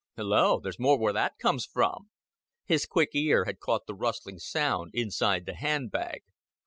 "Hulloa! There's more where that comes from." His quick ear had caught the rustling sound inside the handbag.